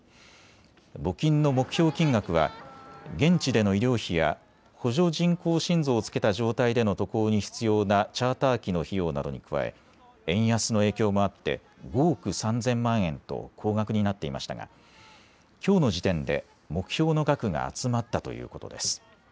募金の目標金額は現地での医療費や補助人工心臓をつけた状態での渡航に必要なチャーター機の費用などに加え円安の影響もあって５億３０００万円と高額になっていましたが、きょうの時点で目標の額が集まったということです。